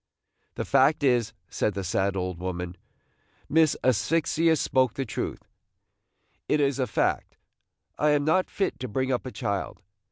"The fact is," said the sad old woman, "Miss Asphyxia spoke the truth. It is a fact, I am not fit to bring up a child.